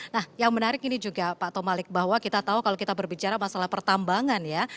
nah yang menarik ini juga pak tomalik bahwa kita tahu kalau kita berbicara masalah pertambangan ya